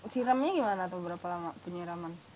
siramnya gimana atau berapa lama penyiraman